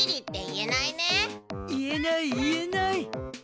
言えない言えない。